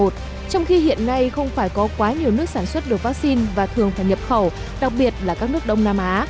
trong khi hiện nay không phải có quá nhiều nước sản xuất được vaccine và thường phải nhập khẩu đặc biệt là các nước đông nam á